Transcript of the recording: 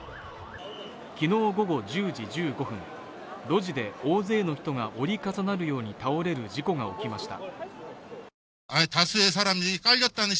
昨日午後１０時１５分、路地で大勢の人が折り重なるように倒れる事故が起きました。